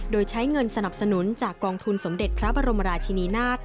โดยใช้เงินสนับสนุนจากกองทุนสมเด็จพระบรมราชินีนาฏ